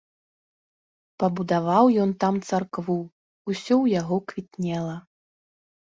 Пабудаваў ён там царкву, усё ў яго квітнела.